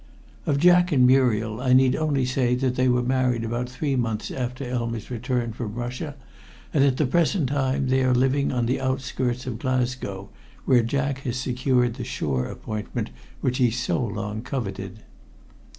Of Jack and Muriel I need only say they were married about three months after Elma's return from Russia, and at the present time they are living on the outskirts of Glasgow, where Jack has secured the shore appointment which he so long coveted.